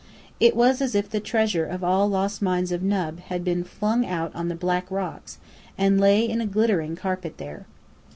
It was as if the treasure of all the lost mines of Nub had been flung out on the black rocks, and lay in a glittering carpet there.